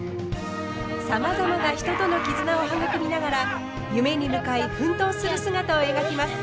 さまざまな人との絆を育みながら夢に向かい奮闘する姿を描きます。